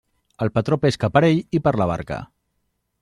El patró pesca per ell i per la barca.